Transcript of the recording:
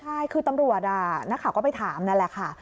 ใช่คือตำรวจนักข่าวก็ไปถามนั่นแหละค่ะ